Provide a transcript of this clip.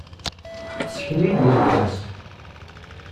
Tesseken-iyi-d uletma-s.